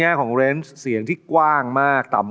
โปรดติดตามต่อไป